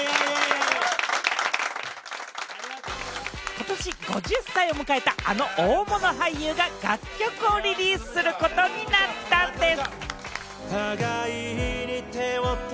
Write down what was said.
ことし５０歳を迎えたあの大物俳優が楽曲をリリースすることになったんです！